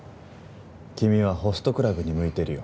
君はホストクラブに向いてるよ。